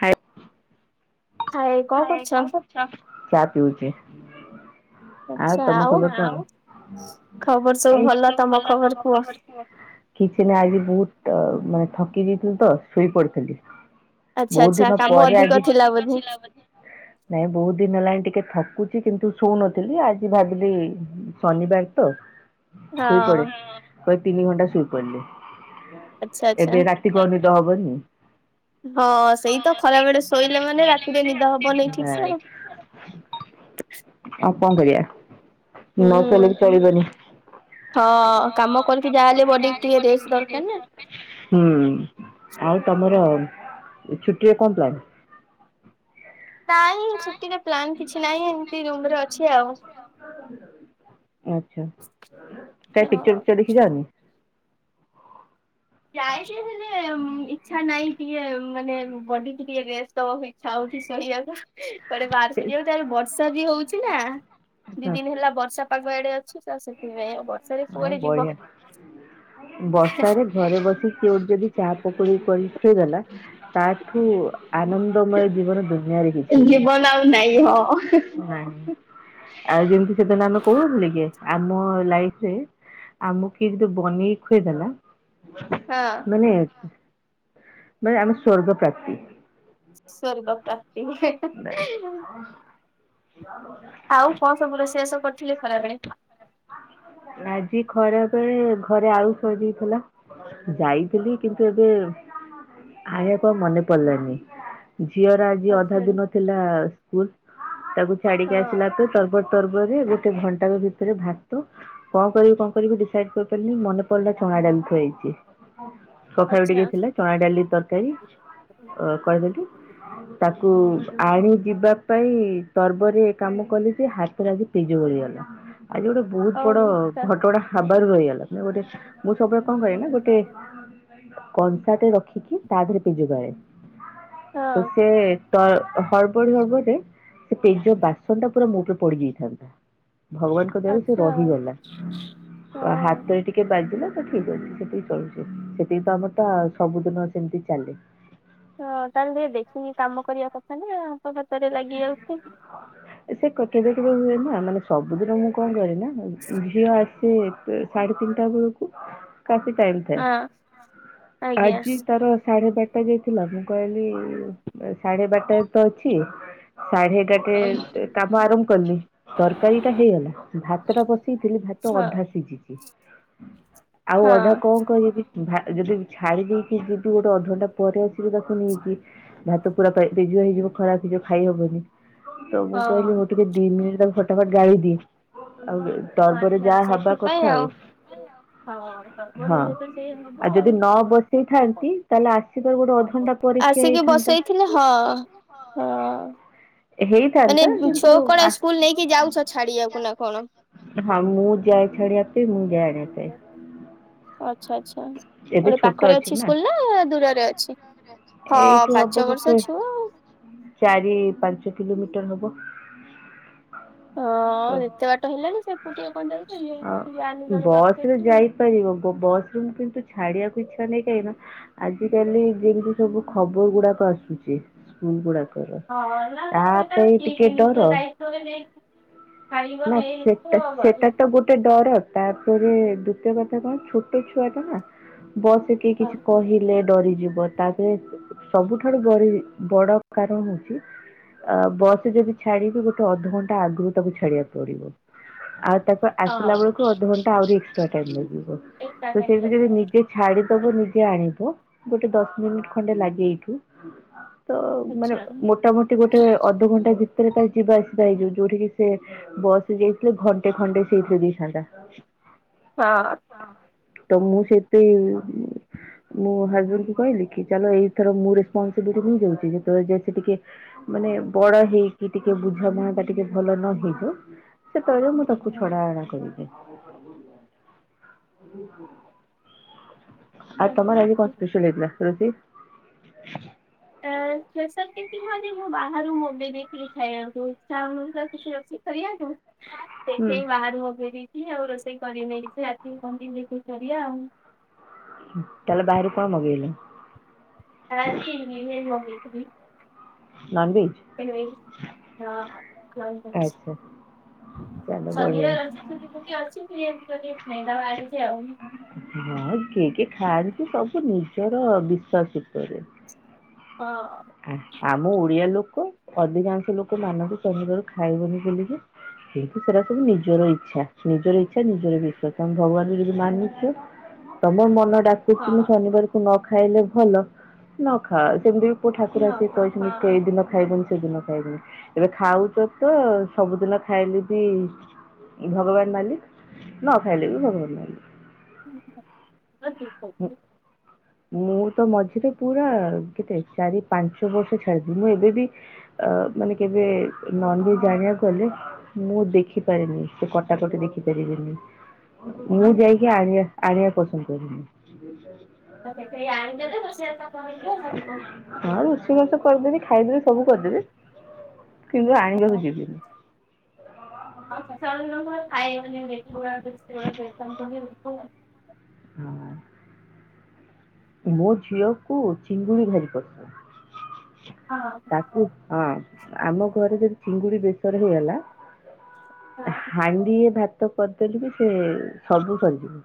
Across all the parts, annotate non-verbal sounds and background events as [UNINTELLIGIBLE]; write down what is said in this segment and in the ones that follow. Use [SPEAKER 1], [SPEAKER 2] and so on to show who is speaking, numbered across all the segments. [SPEAKER 1] High hi କଣ କରୁଚ଼ ଚା ପିଉଛି। ଆଉ ତମ ଖବର କଣ ତମର ସବୁ ଭଲ ତମ ଖବର। କିଛି ନାଁ ଆଜି ବହୁତ ମାନେ ଥକି ଯାଇଥିଲି ତ ଶୋଇ ପଡିଥିଲି।
[SPEAKER 2] ଆଚ୍ଛା
[SPEAKER 1] ବହୁତ
[SPEAKER 2] ଆଚ୍ଛା
[SPEAKER 1] ଦିନ
[SPEAKER 2] କାମ
[SPEAKER 1] ପରେ
[SPEAKER 2] ଅଧିକ
[SPEAKER 1] ଆଜି
[SPEAKER 2] ଥିଲା ବୋଧେ
[SPEAKER 1] ନାଇଁ ବହୁତ ଦିନ ହେଲାଣି ଟିକେ ଥକୁଛି କିନ୍ତୁ ସୋଉନଥିଲି ଆଜି ଭାବିଲି ଶନିବାର ତ। ଶୋଇପଡେ
[SPEAKER 2] ହଁ
[SPEAKER 1] କ ତିନି ଘଣ୍ଟା ଶୋଇପଡିଲି
[SPEAKER 2] ଆଚ୍ଛା ଆଚ୍ଛା।
[SPEAKER 1] ଏବେ ରାତି ଏ କରି ତ ହବନି।
[SPEAKER 2] ହଁ ସେଇ ତ ଖରାବେଳେ ଶୋଇଲା ମାନେ ରାତିରେ ନିଦ ହବନେଇଁ ଠିକ୍ ସେ ଆଉ।
[SPEAKER 1] ଆଉ କଣ କରିବା ନଶୋଇଲେ ବି
[SPEAKER 2] ହୁଁ।
[SPEAKER 1] ଚଳିବନି।
[SPEAKER 2] ହଁ କାମ କରିକି ଯାହାହଲେ ବଡିକି ଟିକେ ରେଷ୍ଟ ଦରକାର ନା।
[SPEAKER 1] ହୁଁ ଆଉ ତମର ଛୁଟିରେ କଣ ପ୍ଲାନ?
[SPEAKER 2] ନାଇଁ ଛୁଟିରେ ପ୍ଲାନ୍ କିଛି ନାହିଁ ଏମିତି ରୁମରେ ଅଛି ଆଉ।
[SPEAKER 1] ଆଚ୍ଛା କାଇଁ ପିକ୍ଚର୍
[SPEAKER 2] ହଁ
[SPEAKER 1] ଫିକ୍ଚର ଦେଖି ଯାଅନି।
[SPEAKER 2] ଯାଇଛି ସେ ହେଲେ ଇଚ୍ଛା ନାହିଁ ଟିକେ ମାନେ ବଡି ଟିକେ ରେଷ୍ଟ୍ ଦବାକୁ ଇଛା ହଉଛି ଶୋଇବାକୁ ପରେ ବାହାରକୁ ଯିବା କୁ ବର୍ଷା ବି ହଉଛି ଅଛି ନା ଦି ଦିନ ହେଲା ବର୍ଷା ପାଗ ଆଡେ ଅଛି ତ ସେ ସେଥିପାଇଁ ଆଉ ବର୍ଷାରେ
[SPEAKER 1] ଆଉ
[SPEAKER 2] କୁଆଡେ ଯିବ।
[SPEAKER 1] ବଢିଆ। ବର୍ଷାରେ ଘରେ ବସିିକ କିଏ ଗୋଟେ ଯଦି ଚାହା ପକୋଡି କରି ଖୁଆଇଦେଲା। ତା ଠୁ ଆନନ୍ଦମୟ ଜୀବନ ଦୁନିଆରେ କିଛି ନାହିଁ।
[SPEAKER 2] ଜୀବନ ଆଉ ନାଇଁ ହଁ।
[SPEAKER 1] ନାଇଁ ଆଉ ଯେମିତି ସେଦିନ ଆମେ କହୁଥିଲେ କି? ଆମ ଲାଇଫରେ ଆମକୁ କିଏ ଯଦି ବନେଇ ଖୁଇଦେଲା
[SPEAKER 2] ହଁ।
[SPEAKER 1] ମାନେ ମାନେ ଆମେ ସ୍ଵର୍ଗ ପ୍ରାପ୍ତି।
[SPEAKER 2] ସ୍ୱର୍ଗ ପ୍ରାପ୍ତି।
[SPEAKER 1] [UNINTELLIGIBLE]
[SPEAKER 2] ଆଉ କଣ ସବୁ ରୋଷେଇ ବାସ କରିଥିଲେ ଖରାବେେଳେ?
[SPEAKER 1] ଆଜି ଖରା ବେଳେ ଘରେ ଆଳୁ ସରିଯାଇଥିଲା। ଯାଇଥିଲି କିନ୍ତୁ ଏବେ ଆଣିବା ପାଇଁ ମନେ ପଡିଲାନି। ଝିଅର ଆଜି ଅଧା
[SPEAKER 2] ଆଛା ହଁ
[SPEAKER 1] ଦିନ ଥିଲା ସ୍କୁଲ ତାକୁ ଛାଡିକି ଆସିଲାକୁ ତରବ ତରବରେ ଗୋଟେ ଘଣ୍ଟା ଭିତରେ ଭାତ କଣ କରିବି କଣ କରିବି ଡିସାଇଡ କରିପାରିଲିନି ମନେ ପଡିଲା ଚଣା ଡାଲି ଥୁଆଯାଇଚି। ସଖାଳେ ଟିକେ
[SPEAKER 2] ଆଚ୍ଛା।
[SPEAKER 1] ଥିଲା ଚଣା ଡାଲି ତରକାରୀ ଅ କହିଦେଲି ତା କୁ ଆଣି ଯିବା ପାଇଁ ତର୍ବରରେ କାମ କଲି ଯେ ହାତରେ ଆଜି ପେଜ ଗଳିଗଲା। ଆଜି ଗୋଟେ ବହୁତ ବଡ
[SPEAKER 2] ଓହୋ ଆଚ୍ଛା
[SPEAKER 1] ଘଟଣା ଖବାର ରହିଗଲାେ ଗୋଟେ ମୁଁ ସବୁବେଳେ କଣ କରେ ନା ଗୋଟେ କଂସାଟ ରଖିକି ତା ଦେହରେ ପେଜ ଗାଳେ ତ
[SPEAKER 2] ହଁ
[SPEAKER 1] ସେ ତ ହରବଡ ହଳବଡରେ ସେ ପେଜ ବାସନ ଟା ପୁରା ମୋ ଉପରେ ପଡି ଯାଇଥାନ୍ତା। ଭଗବାନଙ୍କ ଦୟାରୁ ସେ
[SPEAKER 2] ଆଚ୍ଛା
[SPEAKER 1] ରହିଗଲା
[SPEAKER 2] ହଁ।
[SPEAKER 1] ହାତରେ ଟିକେ ଟିକେ ବାଜିଲା ତ ଠିକ ଅଛି ସେତିକି ଚଳୁଛି ସେତିକି ତ ଆମର ତ ସବୁଦିନ ସେମିତି ଚାଲେ।
[SPEAKER 2] ହଁ ତାହେଲେ ଟିକ ଦେଖିନି କାମ କରିବା କଥା ନା ହାତ ଫାତରେ ଲାଗି ଯାଉଛି।
[SPEAKER 1] ହଁ। ସେ କେବେ କେବେ ହୁଏ ନା ମାନେ ସବୁଦିନ ମୁଁ କଣ କରେ ନା ଝିଅ ଆସେ ସାଢେ ତିନିଟା ବେଳକୁ। ରାତି ଟାଇମ୍ ଥାଏ
[SPEAKER 2] ହଁ ଆଜ୍ଞା।
[SPEAKER 1] ଆଜି ତାର ସାଢେ ଚାରି ଟା ଯାଇଥିଲା ମୁଁ କହିଲି ସାଢେ ବାରଟା ତ ଅଛି ସାଢେ ଏଗାରଟା
[SPEAKER 2] ହଁ।
[SPEAKER 1] ସେ କାମ ଆରମ୍ଭ କରଲିି ତରକାରୀ ଟା ହେଇଗଲା, ଭାତ ଟା ବସେଇଥିଲି ଭାତ
[SPEAKER 2] ହଁ
[SPEAKER 1] ଅଧା ସିଝିଛି। ଆଉ
[SPEAKER 2] ହଁ
[SPEAKER 1] ଅଧା କଣ କହିବି ଯଦି ଛାଡି ଦେଉଚି ଯିଦି ଗୋଟେ ଅଧଘଣ୍ଟା ପରେ ଆସିବି ତାକୁ ନେଇକି ଭାତ ପୁରା ପେଜୁଆ ହେଇଯିବ ଖରାପ ହେଇଯିବ ଖାଇହବନି ତ ମୁଁ
[SPEAKER 2] ହଁ।
[SPEAKER 1] କହିଲି ହୋ ଟିକେ ଦି ମିନିଟ ତାକୁ ଫଟା ଫଟ୍ ଗାଳି ଦିଏ ଆଉ ତରବରରେ
[SPEAKER 2] ଆଚ୍ଛା
[SPEAKER 1] ଯାହା ହବା
[SPEAKER 2] ସେଥିପାଇଁ
[SPEAKER 1] କଥା ଆଉ
[SPEAKER 2] ହଁ ତରବର
[SPEAKER 1] ହଁ।
[SPEAKER 2] ହେଲେ ତ ସେଇ ହବ
[SPEAKER 1] ଯଦି
[SPEAKER 2] ଆଉ
[SPEAKER 1] ନ
[SPEAKER 2] [UNINTELLIGIBLE]
[SPEAKER 1] ବସେଇଥାନ୍ତି ତାହେଲେ ଆସିବାର ଗୋଟେ ଅଧଘଣ୍ଟା ପରେ ଖିଆ
[SPEAKER 2] ଆସିକି
[SPEAKER 1] ହେଇଥାନ୍ତା।
[SPEAKER 2] ବସେଇଥିଲେ ହଁ ହଁ। ମାନେ
[SPEAKER 1] ହେଇଥାନ୍ତା କିନ୍ତୁ
[SPEAKER 2] ଛୁଆକୁ କଣ
[SPEAKER 1] ଆ
[SPEAKER 2] ସ୍କୁଲ ନେଇକି ଯାଉଛ ଛାଡିବାକୁ ନା କଣ?
[SPEAKER 1] ହଁ ମୁଁ ଯାଏ ଛାଡିବା ପାଇଁ ମୁଁ ଯାଏ ଆଣିବା ପାଇଁ।
[SPEAKER 2] ଆଚ୍ଛା ଆଚ୍ଛା। ମୁଁ
[SPEAKER 1] ଏବେ
[SPEAKER 2] କହିଲି
[SPEAKER 1] ଛୋଟ
[SPEAKER 2] ପାଖରେ ଅଛି
[SPEAKER 1] ନା।
[SPEAKER 2] ସ୍କୁଲ ନା ଦୂରରେ ଅଛି? ହଁ
[SPEAKER 1] ଏଇଠୁ ହବ
[SPEAKER 2] ପାଞ୍ଚ
[SPEAKER 1] ଗୋଟେ
[SPEAKER 2] ବର୍ଷ ଛୁଆ ଆଉ।
[SPEAKER 1] ଚାରି ପାଞ୍ଚ କିଲୋମିଟର ହବ
[SPEAKER 2] ହଁ
[SPEAKER 1] ତ
[SPEAKER 2] ଏତେ ବାଟ ହେଲାଣି ସେ ଏକୁଟିଆ କଣ
[SPEAKER 1] ଅ
[SPEAKER 2] ଯାଉଛନ୍ତି ମାନି ଜଣେ ଦର
[SPEAKER 1] ବସରେ ବ ବସରୁମ୍ କିନ୍ତୁ ଛାଡିବାକୁ ଇଚ୍ଛା ନାହିଁ କାହିଁକ ନା ଆଜି କାଲି ଯେମିତି ସବୁ ଖବର ଗୁଡାକ ଆସୁଛି ସ୍କୁଲ ଗୁଡାକର
[SPEAKER 2] ହଁ
[SPEAKER 1] ତା ପାଇଁ ଟିକେ ଡର
[SPEAKER 2] ତ ନେଇ
[SPEAKER 1] ନା ସେଟା
[SPEAKER 2] ଆସିବ ଆଉ
[SPEAKER 1] ସେଟା
[SPEAKER 2] ଗଲେ।
[SPEAKER 1] ତ ଗୋଟେ ଡର। ତାପରେ ଦ୍ଵିତୀୟ କଥା କଣ ଛୋଟ ଛୁଆ ଟା ନା ବସଠ କିଏ କିଛି କହିଲେ ଡରିଯିବ ତାଧିରେ ସବୁଠାରୁ ବଡ଼ ବଡ କାରଣ ହଉଚି ଆ ବସରେ ଯଦି ଛାଡିବି ଗୋଟେ ଅଧଘଣ୍ଟା ଆଗରୁ ତାକୁ ଛାଡିବାକୁ ପଡିବ ଆଉ ତାକୁ
[SPEAKER 2] ହଁ।
[SPEAKER 1] ଆସିଲା ବେଳକୁ ଅଧଘଣ୍ଟା ଆହୁରି ଏକ୍ସ୍ରା ଟାଇମ୍ ଲାଗିବ ତ ସେଠ ନିଜେ ଯ ଛାଡିଦବ ନିଜେ ଆଣିବ ଗୋଟେ ଦଶ ମିନିଟ ଖଣ୍ଡେ ଲାଗେଇକି ତ ମାନେ ମୋଟାମୋଟି ଗୋଟେ ଅଧଘଣ୍ଟା ଭିତରେ ତା ଯିବା ଆସିବା ହେଇଯାଉ ଯୋଉଠି କିି ସେ ବସ ଯାଇଥିଲେ ଘଣ୍ଟେ ଖଣ୍ଟେ ସେଇଥିଲେ ଦେଇଥାନ୍ତା।
[SPEAKER 2] ହଁ।
[SPEAKER 1] ତ ମୁଁ ସେଥି ପାଇଁ ମୁଁ ହଜବେଣ୍ଡ କୁ କହିଲି କି ଚାଲ ଏଇଥର ମୁଁ ରେସପନସିବିଲିଟି ନେଇ ଯାଉଛି ଯେତେବେଳେ ଯାଏ ସେ ଟିକେ ମାନେ ବଡ ହେଇକି ଟିକେ ବୁଝାମଣାତା ଟିକେ ଭଲ ନ ହେଇକ ସେ କହିବ ମୁଁ ତାକୁ ଛଡା ବଡା କ ଆ ତମର ଆଜି କଣ? ସୁଶୀଲିତଥିଲା [UNINTELLIGIBLE]
[SPEAKER 2] କେ ହ ମୁଁ ବାହାରୁ ମଗେଇ ଦେଖିଥିଲି ଖାଇବାକୁ ଇଛା ହେଉନଥିଲା କିଛି ରୋଷେଇ କରିବାକୁ।
[SPEAKER 1] [INAUDIBLE]
[SPEAKER 2] ଦେଖେଇ ବାହାରୁ ହଗେଇ ଦେଇଛି ଆଉ ରୋଷେଇ କରିନି କିଛି ରାତିି କଣ ଟିକେଦେଖେଇ କରିବା ଆଉ।
[SPEAKER 1] ତାହେଲେ ବାହାରୁ କଣ ମଗେଇଲ?
[SPEAKER 2] [INAUDIBLE] ମଗେଇଥିଲି [INAUDIBLE]
[SPEAKER 1] [UNINTELLIGIBLE]
[SPEAKER 2] [INAUDIBLE] [INAUDIBLE] ଆଇଛି
[SPEAKER 1] ଆଚ୍ଛା ତାହେଲେ ବଢିଆ।
[SPEAKER 2] ଆଉ।
[SPEAKER 1] ହଁ କିଏ କି ଖାଆନ୍ତି ସବୁ ନିଜର ବିଶ୍ଵାସ ଭିତରେ।
[SPEAKER 2] ହଁ।
[SPEAKER 1] ଆମ ଓଡିଆ ଲୋକ ଅଧିକାଂଶ ଲୋକ ମାନଙ୍କୁ ଚନ୍ଦିଦରୁ ଖାଇବନି ବୋଲିକି ସେଟା ସବୁ ନିଜର ଇଚ୍ଛା ନିଜର ଇଚ୍ଛା ନିଜର ବିଶ୍ଵାସ ତମେ ଭଗବାନଙ୍କୁ ଯଦି ମାନୁଛେ ତମର ମନ ଡାକୁଛି ମୁଁ
[SPEAKER 2] ହଁ
[SPEAKER 1] ଶନିବାରକୁ ନ ଖାଇଲେ ଭଲ ନ ଖାଅ ସେମିତି ଠାକୁର ଆସିକ
[SPEAKER 2] ହଁ
[SPEAKER 1] କହିଛନ୍ତି
[SPEAKER 2] ହଁ।
[SPEAKER 1] କେଇ ଦିନ କୁ ଖାଇବନି ସେଦିନ ଖାଇବନି ଏବେ ଖାଉଛ ତ ସବୁଦିନ ଖାଇଲେ ବି ଭଗବାନ ମାଲିକ ନ ଖାଇଲେ ବି ଭଗବାନ ମାଲିକ।
[SPEAKER 2] ହଁ ଠିକ କହିଚ।
[SPEAKER 1] ଁ ମୁଁ ତ ମଝିରେ ପୁରା କେତେ ଚାରି ପାଞ୍ଚ ବର୍ଷ ଛାଡିଛିି ମୁଁ ଏବେ ବି ଅ ମାନେ କେବେ ନନଭେଜ ଆଣିବାକୁ ଗଲେ ମୁଁ ଦେଖି ପାରେନି ସେ କଟାକଟି ଦେଖି ପାରିବିନି। ମୁଁ ଯାଇକି ଆଣିବା ଆଣିବା ପସନ୍ଦ କରେନି।
[SPEAKER 2] କେହି ଆଣିଦେଲେ ରୋଷେଇତ
[SPEAKER 1] [UNINTELLIGIBLE] ହଁ ରୋଷେଇ ବାସ କରିଦେବି ଖାଇଦେବି ସବୁ କରିଦେବି କିନ୍ତୁ ଆଣିବାକୁ ଯିବିନି।
[SPEAKER 2] ଆଉ ଚା ଖାଇେ [INAUDIBLE]
[SPEAKER 1] ହଁ। ମୋ ଝିଅକୁ ଚିଙ୍ଗୁଡି ଭାରି ପସନ୍ଦ।
[SPEAKER 2] ହଁ।
[SPEAKER 1] ତାକୁ ହଁ ଆମ ଘରେ ଯଦି ଚିଙ୍ଗୁଡି ବେସର ହେଇଗଲା ହାଣ୍ଡିଏ ଭାତ କରିଦେଲେ ବି ସେ ସବୁ ସରିଜିବ।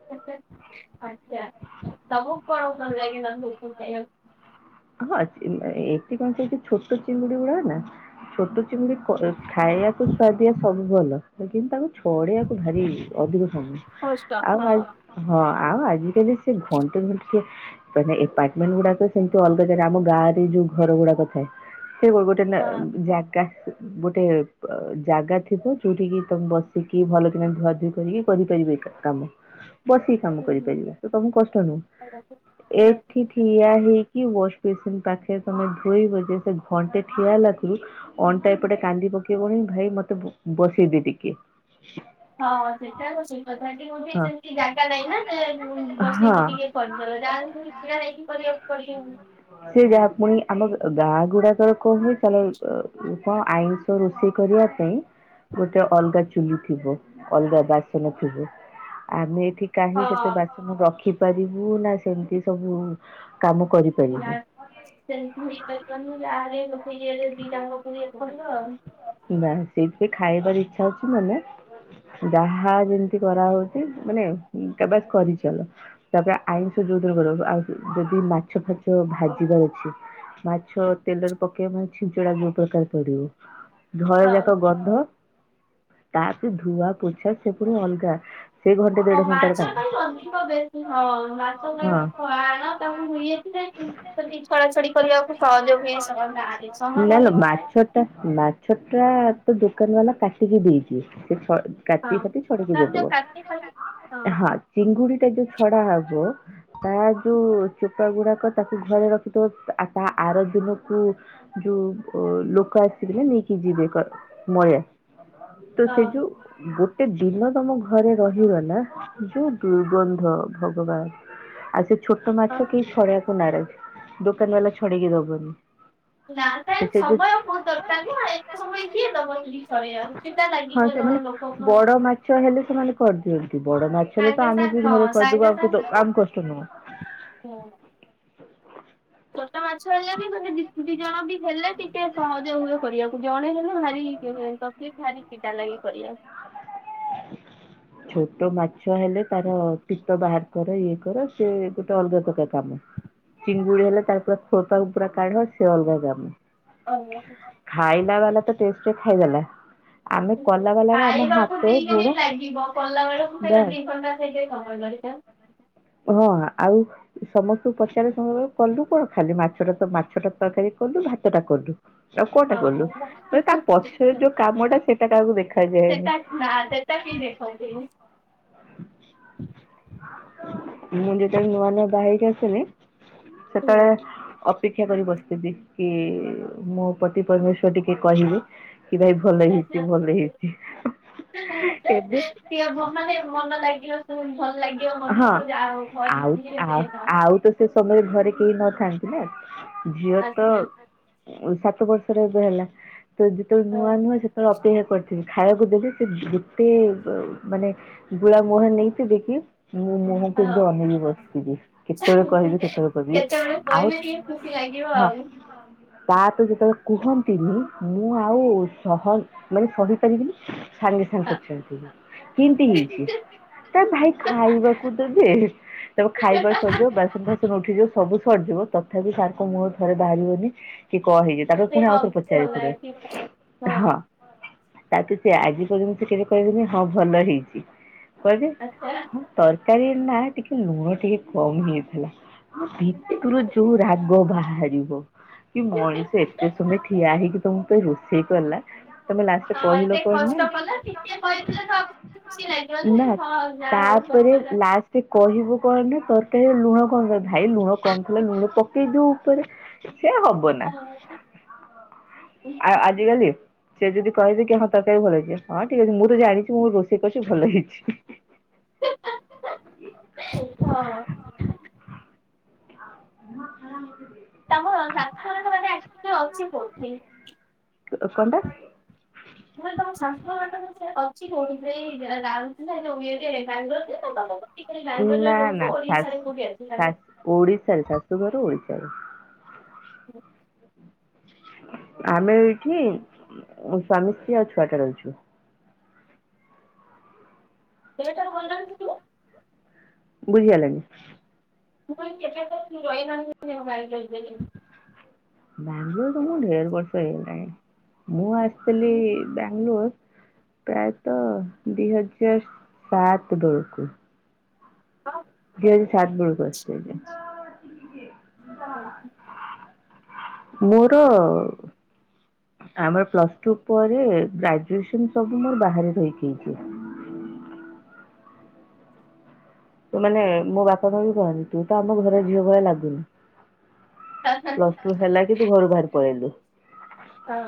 [SPEAKER 2] ଆଛା ତମକୁ କଣ ଭଲଲାଗେ ନନଭେଜେ ଉପରେ ଖାଇବାକୁ?
[SPEAKER 1] ହଁ ସେ ନାଇଁ ଏଠି କଣ ସେଛୋଟ ଚିଙ୍ଗୁଡି ଗୁଡା ନାଛୋଟ ମିତି ଖାଇବାକୁ ସୁଆଦିଆ ସବୁ ଭଲ। ଲେକିନ ତାକୁ ଛଡେଇଆକୁ ଭାରି ଅଧିକ ସମୟ ଆଉ ଆ ହଁ ଆଉ ଆଜିକାଲି ସେ ଘଣ୍ଟେ ଘଣ୍ଟ ସେ ମାନେ ପାର୍ଟନରଗୁଡାକ ସେମ ତ ଅଲଗା ଜାଗା ଆମ ଗାଁ ରେ ଯୋଉ ଘର ଗୁଡାକ ଥାଏ ସେ ଗୋଟେ ନା ଜାଗା ଗୋଟେ ପ ଜାଗା ଥିବ ଯୋଉଠିକି ତମେ ବସିକି ଭଲ କିିନା ଧୁଆଧୁଇ କରିକି କରିପାରିବେ ଏକା। କାମ ବସି କାମ କରିପାରିବା ତ ତମକୁ କଷ୍ଟ ନୁହୁଁ ଏଠି ଠିଆ ହେଇ କି ୱାଶ ବେସିନ୍ ପାଖେରେ ତମେ ଧୋଇବ ଯେ ସେ ଘଣ୍ଟେ ଠିଆ ହେଲାକୁରୁ ଅଣ୍ଟା ଏପଟେ କାନ୍ଦି ପକେଇବଣି ଭାଇ ମତେ ବସେଇଦେ ଟିକେ।
[SPEAKER 2] ହଁ ହଁ ସେଟା ତ ଠିକ କଥା ଟିକେ ବସିକି
[SPEAKER 1] ହଁ
[SPEAKER 2] ସେମିତି ଜାଗା ନାହିଁ ନା ଏଁ ବସିକି
[SPEAKER 1] ହଁ
[SPEAKER 2] ଟିକେ କରିସାର ଯାହେଲେ ତମେ ଛିଡା ହେଇକି କରିବାକୁ ପଡିବ ଆଉ।
[SPEAKER 1] ସେ ଯାହା ପୁଣି ଆମ ଗାଁ ଗୁଡାକର କ ତାଲେ କଣ ଆଇଁଷ ରୋଷେଇ କରିବା ପାଇଁ ଗୋଟେ ଅଲଗା ଚୁଲି ଥିବ ଅଲଗା ବାସନ ଥିବ ଆମେ ଏଠି କାହିଁକି ସେତେ
[SPEAKER 2] ହଁ।
[SPEAKER 1] ବାସନ ରଖିପାରିବୁ ନା ସେମିତି ସବୁ କାମ କରିବୁ।
[SPEAKER 2] ନାଁ ସେମିତି ହେଇପାରିବନି ଯାହେଲେ ଗୋଟେ ଇଏରେ ଦିଟା ଜାକ କରିବାକୁ ପଡିବ ଆଉ।
[SPEAKER 1] ନାଁ ସେଇଥିପାଇଁ ଖାଇବାର ଇଚ୍ଛା ଅଛି ମାନେ ଯାହା ଯେମିତି କରାହଉଛି ମାନେ ତେବେ କରିଚାଲ। ତାପରେ ଆଇଁଷ ଯୋଉ ଦିନ କର ଆଉ ଯଦି ମାଛ ଫାଚ ଭାଜିବାର ଅଛି ମାଛ ତେଲରେ ପକେଇବ ମାନେ ଛିଞ୍ଚଡା ଯଉ ପ୍ରକାରେ ପଡିବ। ଘର
[SPEAKER 2] ହଁ।
[SPEAKER 1] ଯାକ ଗନ୍ଧ ତାପରେ ଧୂଆ ପୋଛା ସେ ପୁରା ଅଲଗା ସେ ଘଣ୍ଟେ ଦେଢ
[SPEAKER 2] ହଁ
[SPEAKER 1] ଘଣ୍ଟାର
[SPEAKER 2] ମାଛ
[SPEAKER 1] କାମ
[SPEAKER 2] ପାଇଁ ଅଧିକ ବେଶୀ ହଁ ମାଛ ପାଇଁ
[SPEAKER 1] ହଁ।
[SPEAKER 2] ତ ଖାଳ [INAUDIBLE] ତାଙ୍କୁ ହୁଇ ଯାଇଥିଲେ ଯଦି ଛଳାଛଡି କରିବାକୁ ସହଯୋଗ ହୁଏ ସମୟ ବା ସମ
[SPEAKER 1] ନା ନା
[SPEAKER 2] ଭାବେ ତ ନାହିଁ।
[SPEAKER 1] ମାଛ ମାଛ ଟା ତ ଦୋକାନ ବାଲା କାଟିକି ଦେଇଛିି ସେଛ କାତି
[SPEAKER 2] ହଁ।
[SPEAKER 1] ଫାତି ଛଡେଇକି
[SPEAKER 2] ତାପରେ ଯୋଉ
[SPEAKER 1] ଦେଇଦବ
[SPEAKER 2] କାଟି ଫାଟି
[SPEAKER 1] ହଁ ଚିଙ୍ଗୁଡି ଟା ଯୋଉ ଛଡା ହବ ତା ଯୋଉ ଚୋପା ଗୁଡାକ ତାକୁ ଘରେ ରଖିଥବ ତା ଆର ଦିନ ଯୋଉ ଯୋଉ ଲୋକ ଆସିବେ ନା ନେଇକି ଯିବେ କ ମଇଳା ତ ସେ
[SPEAKER 2] ହଁ
[SPEAKER 1] ଯୋଉ ଗୋ ଗୋଟେ ଦିନ ତମ ଘରେ ରହିଗଲା ଯୋଉ ଦୁର୍ଗନ୍ଧ ଭଗବାନ ଆଉ ସେ ଛୋଟ ମାଛ
[SPEAKER 2] ହଁ
[SPEAKER 1] କେହି ଛଡ଼େଇବାକୁ ନାରାଜ। ଦୋକାନି ବାଲା ଛଡେଇକି ଦବନି।
[SPEAKER 2] ନା ତା
[SPEAKER 1] ତ ସେ ଯୋଉ
[SPEAKER 2] ସମୟ ବହୁତ ଦରକାର ଆଉ ଏତେ ସମୟ କିଏ ଦବ ବୋଲି ଛଡେଇବାକୁ ଚିଟା ଲାଗିବଜଣେ ଲୋ
[SPEAKER 1] ବଡ଼ ମାଚ ହେଲେ ସେମାନେ କରିଦିଅନ୍ତି, ବଡ ମାଛ ରେ ତ
[SPEAKER 2] ସାଙ୍ଗେ
[SPEAKER 1] ଆମେ
[SPEAKER 2] ସାଙ୍ଗ
[SPEAKER 1] ବି ଘରେ
[SPEAKER 2] ହଁ
[SPEAKER 1] କରିଦବୁ
[SPEAKER 2] ସାଙ୍ଗେ
[SPEAKER 1] ଆମକୁ
[SPEAKER 2] ସାଙ୍ଗ
[SPEAKER 1] ଆମ କଷ୍ଟ ନୁହଁ।
[SPEAKER 2] ହୁଁ। ଛୋଟ ମାଛ ହେଲେ ବି ଗୋଟେ ଦ ଦି ଜଣ ବି ହେଲେ ଟିକେ ସହଜ ହୁଏ କରିବାକୁ, ଜଣେ ହେଲେ ଭାରି ତକ୍ଲିପ୍ ଭାରି ଚିଡ଼ା ଲାଗେ କରିବା।
[SPEAKER 1] ଛୋଟ ମାଛ ହେଲେ ତାର ପିତ ବାହାର କର ଇଏ କର ସେ ଗୋଟେ ଅଲଗା ପ୍ରକାର। କାମ, ଚିଙ୍ଗୁଡି ହେଲେ ତାର ପା ଖୋପାକୁ ପୁରା କାଢ ସେ ଅଲଗା କାମ।
[SPEAKER 2] [UNINTELLIGIBLE]
[SPEAKER 1] ଖାଇଲା ବାଲା ତ ଟେଷ୍ଟ ଖାଇଦେଲା, ଆମେ କଲା ବାଲା ଆମ
[SPEAKER 2] ଖାଇବାକୁ
[SPEAKER 1] ହାତ
[SPEAKER 2] ଦି
[SPEAKER 1] ଗୋଡ
[SPEAKER 2] ମିନିଟ୍ ଲାଗିବ କଲା ବେଳକୁ ସେଇଟା
[SPEAKER 1] ବାସ୍
[SPEAKER 2] ଦି ଘଣ୍ଟା ସେଇଟ ସମୟ ଦରକାର।
[SPEAKER 1] ହଁ ଆଉ। ସମସ୍ତଙ୍କୁ ପଚାରେ କଲୁ କଣ ଖାଲି ମାଛଟା ମାଛ ଟା ତରକାରୀ କଲୁ ଭାତ ଟା କଲୁ। ଆଉ କଟା କଲୁ
[SPEAKER 2] ହଁ
[SPEAKER 1] ତ ତା ପଛରେ ଯୋଉ କାମ ଟା ସେଟା କାହାକୁ ଦେଖାଯାଏନି।
[SPEAKER 2] ନାଁ ସେ ତା କିଏ ଦେଖନ୍ତି ଗୋ?
[SPEAKER 1] ମୁଁ ଯେତେବେଳେ ନୂଆ ନୂଆ ବାହିକି ଆସିଲି ସେତେବେଳେ ଅ ଅପେକ୍ଷା କରି ବସିବି କି ମୋ ପତି ପରମେଶ୍ଵର ଟିକେ କହିବି କି ଭାଇ ଭଲ ହେଇଛି ଭଲ ହେଇଛି। ଏବେ
[SPEAKER 2] ସଏ ମାନେ ମନ ଲାଗିବ ଭଲ ଲାଗିବ
[SPEAKER 1] ହଁ
[SPEAKER 2] ମନକୁ ଯାହାହଉ।
[SPEAKER 1] ଆଉ ଆଉ
[SPEAKER 2] [UNINTELLIGIBLE]
[SPEAKER 1] ଆଉ ତ ସେ ସମୟରେ ଘରେ କେହି ନଥାନ୍ତି ନା। ଝିଅ ତ ସାତ ବର୍ଷର ଏବେ ହେଲା ତ ଯେତେବେଳେ ନୂଆ ନୂଆ ସେତେବେଳେ ଅପେକ୍ଷା କରିଥିବି ଖାଇବାକୁ ଦେବ ସେ ଯେତେ ମାନେ ବୁଳା ମୋହନ ନେଇଥିବି କି? ମୁଁ ମୁଁହ କୁ ଏମିତି ଅନେଇକି ବସିିଥିବି କେତେବେଳେ କହିବେ କେତେବେଳେ କହିବି?
[SPEAKER 2] ସେତେବେଳେ
[SPEAKER 1] ଆଉ
[SPEAKER 2] କହିଲେ ଟିକେ ଖୁସି ଲାଗିବ ଆଉ।
[SPEAKER 1] ତା ତ ଯେତେବେଳେ କୁହନ୍ତିନି ମୁଁ ଆଉ ସହ ମାନେ ସହିପାରିବିନି। ସାଙ୍ଗେ ସାଙ୍ଗ [UNINTELLIGIBLE] କେନ୍ତି ହିଇଚି? ଏ ଭାଇ ଖାଇବାକୁ ଦେବେ ତାର ଖାଇବା ସରିଯିବ ବାସନ ଫାସନ ଉଠିଯିବ ସବୁ ସରିଯିବ ତଥାପି ସାରଙ୍କ ମୁହରୁ ଥରେ ବାହାରିବନି କି କଁ ହେଇଚି? ତାଠାରୁ ପୁଣି ଆଉ
[SPEAKER 2] ହଁ
[SPEAKER 1] ଥରେ
[SPEAKER 2] ଭଲ
[SPEAKER 1] ପଚାରିବାକୁ
[SPEAKER 2] ଅଛି ହଁ
[SPEAKER 1] ପଡିବ ହଁ। ତାକୁ ସେ ଆଜି ପର୍ଯ୍ୟନ୍ତ ସେ କେବେ କହିବେନି ହଁ ଭଲ ହେଇଛି। କଇବେ
[SPEAKER 2] ଆଚ୍ଛା।
[SPEAKER 1] ହଁ ତରକାରୀ ନା ଟିକେ ଲୁଣ ଟିକେ କମ ହେଇଥିଲା। ମୋ ଭିତରୁ ଯୋଉ ରାଗ ବାହାରିବ। କି ମଣିଷ ଏତେ
[SPEAKER 2] ଆଚ୍ଛା।
[SPEAKER 1] ସମୟ ଠିଆ ହେଇକି ତମ ପାଇଁ ରୋଷେଇ କଲା। ତମେ
[SPEAKER 2] ତ
[SPEAKER 1] ଲାଷ୍ଟୁକୁ
[SPEAKER 2] ଏତେ
[SPEAKER 1] କହିଲ କଣ ନା
[SPEAKER 2] କଷ୍ଟ କଲା ଟିକେ କହିଥିଲେ ତ ଖୁସି ଲାଗିବ ଯେ ହଁ ଯାହା ହଉ କରିଥିଲା।
[SPEAKER 1] ସେ କହିବୁ କଣ ନା ତରକାରୀ ଲୁଣ କଣ କ ଭାଇ ଲୁଣ କମ ଥିଲା ଲୁଣ ପକେଇ ଦଉ ଉପରେ। ସେ ହବନା, ଆଉ ଆଜିକାଲି ସେ ଯଦି କହେ କି ହଁ ତରକାରୀ ଭଲଚି, ହଁ ଠିକ ଅଛି ମୁଁ ତ ଜାଣିଛି ମୁଁ ରୋଷେଇ କରିଛି ଭଲ ହେଇଛି। [UNINTELLIGIBLE]
[SPEAKER 2] [UNINTELLIGIBLE] ହଁ।
[SPEAKER 1] [INAUDIBLE] ହଁ ଆରାମଦି
[SPEAKER 2] ତାଙ୍କ ଶାଶୁଘର ଟା ମାନେ ଆକଚ୍ୟାଲି ଅଛି କୋଉଠି?
[SPEAKER 1] ସେତ କଣ ଟା?
[SPEAKER 2] ମ କହିଲି ତମ ଶାଶୁ ଘରଟା ଅଛି କୋଉଠି ସେଇ ରାଉରକେଲା ଯୋଉ ଇଏ ବାଙ୍ଗାଲୋରରେ ନା ତମ। [UNINTELLIGIBLE] ବେସି କରି ବାଙ୍ଗାଲୋର ରହୁଚ ଓଡ଼ିଶାରେ କୁଟି ଆସିଲା?
[SPEAKER 1] ଓଡ଼ିଶା ରେ ସାଶୁ ଘର ଓଡିଶା ରେ।
[SPEAKER 2] ହଁ
[SPEAKER 1] ଆମେ ଏଇଠି ସ୍ୱାମୀ ସ୍ତ୍ରୀ ଆଉ ଛୁଆଟା ରହିଛୁ।
[SPEAKER 2] ସିଏଠାରୁ ଭଣ୍ଡାମି ଶିଖିବେ।
[SPEAKER 1] ବୁଝି ହେଲାନି।
[SPEAKER 2] ମୁଁ କହିଲି କେବେ ଠାରୁ ରହିଲଣି [UNINTELLIGIBLE]
[SPEAKER 1] ବାଙ୍ଗୋଲର ତ ମୁଁ ଢେର ବର୍ଷ ହେଇଗଲାଣି ମୁଁ ଆସି। କହିଲି ବାଙ୍ଗଲୋର। ପ୍ରାୟତଃ ଦିଇ ହଜାର ସାତ ବେଳକୁ।
[SPEAKER 2] କଁ।
[SPEAKER 1] ଦୁଇହଜାର ସାତ ବେଳକୁ ଆସିଥିଲି। ମୋର। ଆମେର ପ୍ଲସଟୁ ପରେ ଗ୍ରାଜୁଏସନ ସବୁ ମୋର ବାହାରେ ରହିକି ହେଇଛୁ। ତୁ ମାନେ ମୋ ବାପା ଭାଇ ବି କହନ୍ତି ତୁ ତ ଆମ ଘର ଝିଅ ଭଳିଆ ଲାଗୁନି।
[SPEAKER 2] ହେଁ ହେଁ।
[SPEAKER 1] ପ୍ଲସ୍ ଟୁ ସରିଲା କି ତ୍ ଘରୁ ବାହାରି ପଳେଇଲି।
[SPEAKER 2] ହଁ